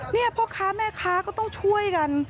นี่พ่อค้าแม่ค้าก็ต้องช่วยกัน